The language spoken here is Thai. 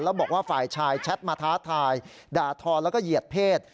แล้วบอกว่าฝ่ายชายแชทมาท้าทายด่าทอแล้วก็เหยียดเพศ